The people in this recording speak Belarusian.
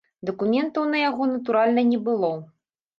Дакументаў на яго, натуральна, не было.